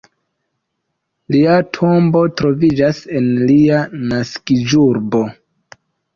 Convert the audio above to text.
Lia tombo troviĝas en lia naskiĝurbo.